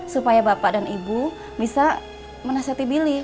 supaya bapak dan ibu bisa menasehati billy